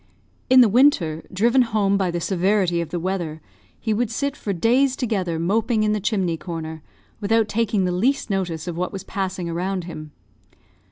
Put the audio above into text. In the winter, driven home by the severity of the weather, he would sit for days together moping in the chimney corner, without taking the least notice of what was passing around him.